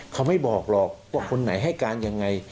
เขาไม่บอกหรอกว่าคนไหนให้การยังไง